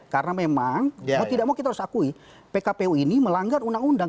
karena memang mau tidak mau kita harus akui pkpw ini melanggar undang undang